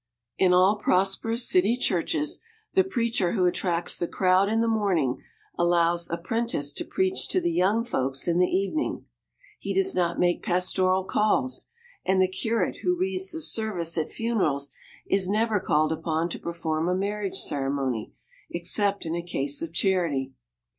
In all prosperous city churches, the preacher who attracts the crowd in the morning allows a 'prentice to preach to the young folks in the evening; he does not make pastoral calls; and the curate who reads the service at funerals is never called upon to perform a marriage ceremony except in a case of charity.